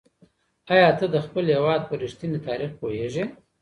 ایا ته د خپل هېواد په رښتیني تاریخ پوهېږې؟